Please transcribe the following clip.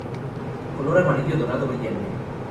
Color amarillo dorado brillante.